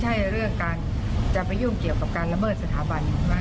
ความเห็นสถวกันกับที่สุรเดชจิรัตน์ติจัลเรินขั้นบอกว่า